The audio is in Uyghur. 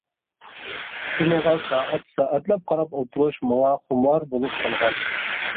ئۇنىڭغا سائەت-سائەتلەپ قاراپ ئولتۇرۇش ماڭا خۇمار بولۇپ قالغان.